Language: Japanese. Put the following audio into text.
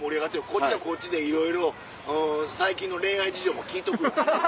こっちはこっちでいろいろ最近の恋愛事情も聞いとくわ。